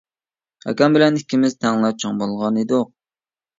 ئاكام بىلەن ئىككىمىز تەڭلا چوڭ بولغان ئىدۇق.